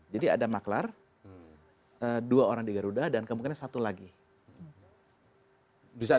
jadi ada maklar dua orang di garuda dan kemungkinan satu lagi yang belum ditetapkan tersangka oleh kpk